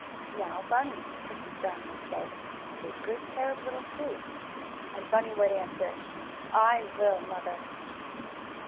"Now, Bunny," Mrs. Brown would say, "take good care of little Sue!" And Bunny would answer: "I will, Mother!"